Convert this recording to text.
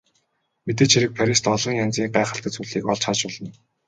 Мэдээж хэрэг Парист олон янзын гайхалтай зүйлийг олж харж болно.